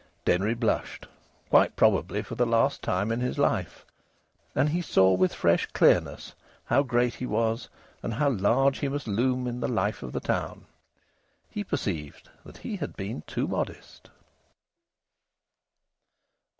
Denry blushed, quite probably for the last time in his life. And he saw with fresh clearness how great he was, and how large he must loom in the life of the town. He perceived that he had been too modest.